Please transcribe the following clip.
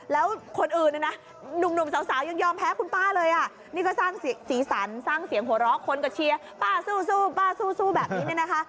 แล้วคนอื่นน่ะนะหนุ่มสาวยังยอมแพ้คุณป้าเลยนี่ก็สร้างสีสันสร้างเสียงโหลร้อคนก็เชียร์ป้าสู้แบบนี้นะคะ